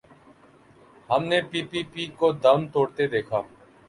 ہم نے P P P کو دم توڑتے دیکھا۔